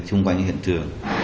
xung quanh hiện trường